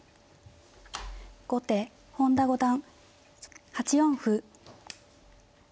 後手本田五段８四歩。